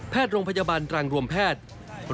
โรงพยาบาลตรังรวมแพทย์